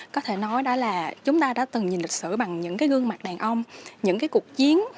có thể nói đó là chúng ta đã từng nhìn lịch sử bằng những cái gương mặt đàn ông những cái cuộc chiến